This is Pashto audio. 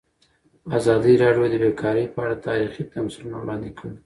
ازادي راډیو د بیکاري په اړه تاریخي تمثیلونه وړاندې کړي.